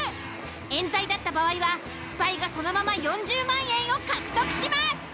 冤罪だった場合はスパイがそのまま４０万円を獲得します。